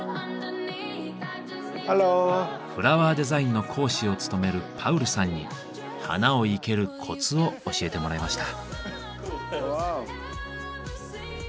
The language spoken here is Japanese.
フラワーデザインの講師を務めるパウルさんに花を生けるコツを教えてもらいました。